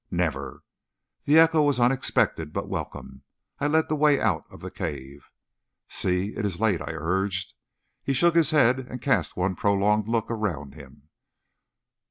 "Never!" The echo was unexpected, but welcome. I led the way out of the cave. "See! it is late," I urged. He shook his head and cast one prolonged look around him.